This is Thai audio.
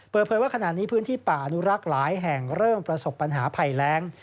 เปิดเผยว่าขณะนี้พื้นที่ป่าอนุรักษ์หลายแห่งเริ่มประสบปัญหาภัยแรง